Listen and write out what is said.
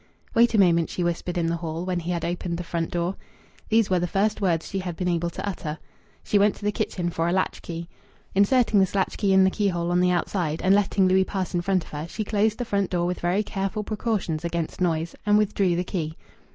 "Wait a moment," she whispered in the hall, when he had opened the front door. These were the first words she had been able to utter. She went to the kitchen for a latch key. Inserting this latch key in the keyhole on the outside, and letting Louis pass in front of her, she closed the front door with very careful precautions against noise, and withdrew the key.